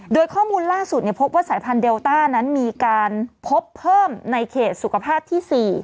โดยข้อมูลล่าสุดพบว่าสายพันธุเดลต้านั้นมีการพบเพิ่มในเขตสุขภาพที่๔